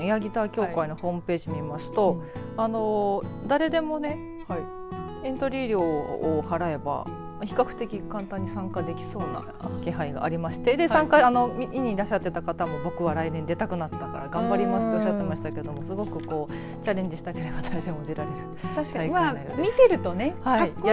日本エアギター協会のホームページを見ますと誰でもねエントリー料を払えば比較的簡単に参加できそうな気配がありまして見にいらっしゃっていた方も僕も来年出たくなったから頑張りますとおっしゃっていましたけどすごくチャレンジしたければ誰も出られる。